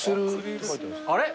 あれ？